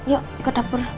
yuk ke dapur lah